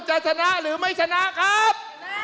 จะชนะหรือไม่ชนะครับ